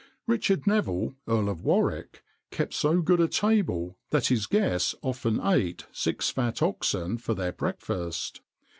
[XXIX 99] Richard Nevil, Earl of Warwick, kept so good a table, that his guests often eat six fat oxen for their breakfast.